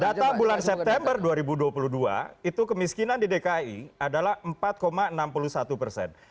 data bulan september dua ribu dua puluh dua itu kemiskinan di dki adalah empat enam puluh satu persen